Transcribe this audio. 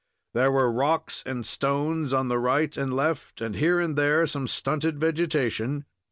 There were rocks and stones on the right and left, and here and there some stunted vegetation.